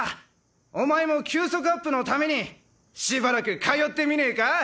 お前も球速アップのためにしばらく通ってみねえか？